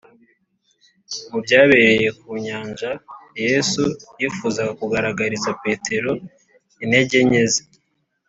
mu byabereye ku nyanja, yesu yifuzaga kugaragariza petero intege nke ze,